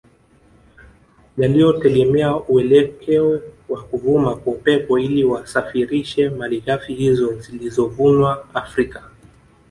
Yaliyotegemea uelekeo wa kuvuma kwa Upepo ili wasafirishe malighafi hizo zilizovunwa Afrika